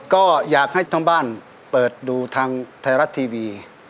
ก็อยากให้ทั้งบ้านเปิดดูทางไทยรัฐทีวี